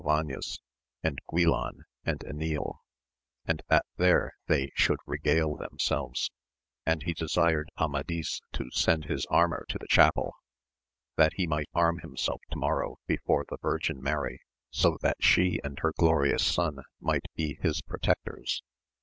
Galvanes, and Guilan and Enil, and that there they should regale themselves, and he desired Amadis to send his armour to the chapel, that he might arm himself to morrow before the Virgin Mary, so that she and her glorious Son might be his protectors.